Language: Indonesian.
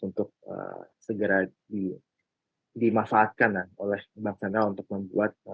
untuk segera dimanfaatkan oleh bank sana untuk membuat rupiah